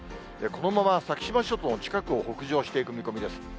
このまま先島諸島の近くを北上していく見込みです。